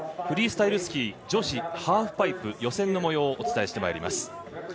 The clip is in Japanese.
フリースタイルスキー女子ハーフパイプ予選のもようをお伝えしてまいります。